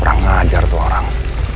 orang ngajar tuh orang